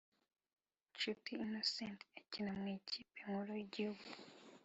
nshuti innocent akina mwikipe nkuru yigihugu